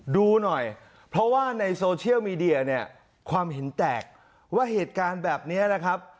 ดูหน่อยเพราะว่าในโซเชียลมีเดียเนี่ยความเห็นแตกว่าเหตุการณ์แบบนี้นะครับ